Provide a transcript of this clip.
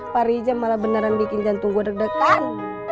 pak rijam malah beneran bikin jantung gue deg degan